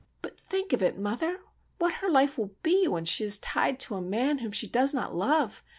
"But think of it, mother, what her life will be when she is tied to a man whom she does not love!